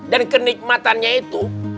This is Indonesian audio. dan kenikmatannya itu